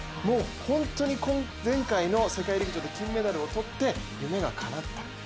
本当に前回の世界陸上で金メダルをとって夢がかなった。